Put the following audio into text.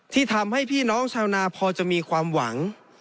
ที่ทำให้พี่น้องชาวนาพอจะมีความหวัง